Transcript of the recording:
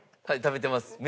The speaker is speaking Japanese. はい食べてます。